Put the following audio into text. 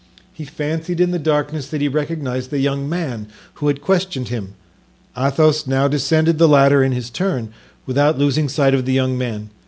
He fancied in the darkness that he recognized the young man who had questioned him. Athos now descended the ladder in his turn, without losing sight of the young man.